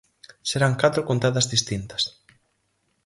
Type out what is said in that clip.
Serán catro contadas distintas.